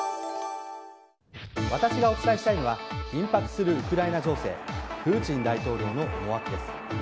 私がお伝えしたいのは緊迫するウクライナ情勢プーチン大統領の思惑です。